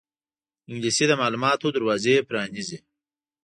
انګلیسي د معلوماتو دروازې پرانیزي